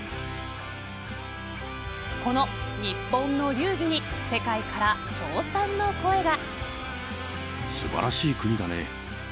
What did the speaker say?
この日本の流儀に世界から称賛の声が。